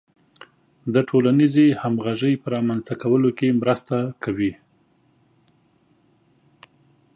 د ټولنیزې همغږۍ په رامنځته کولو کې مرسته کوي.